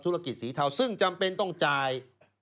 ธุรกิจสีเทาซึ่งจำเป็นต้องจ่าย